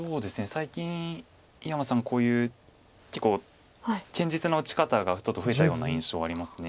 最近井山さんこういう結構堅実な打ち方がちょっと増えたような印象あります。